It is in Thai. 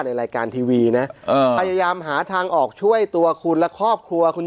ในรายการทีวีนะพยายามหาทางออกช่วยตัวคุณและครอบครัวคุณ